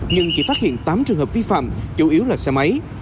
nhưng chỉ phát hiện tám trường hợp vi phạm chủ yếu là xe máy